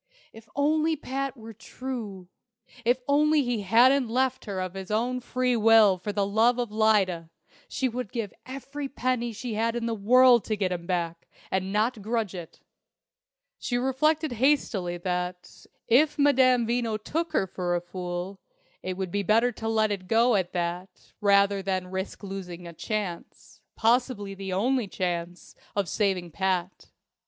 If only Pat were true if only he hadn't left her of his own free will for love of Lyda, she would give every penny she had in the world to get him back, and not grudge it! She reflected hastily that, if Madame Veno took her for a fool, it would be better to let it go at that rather than risk losing a chance possibly the only chance of saving Pat.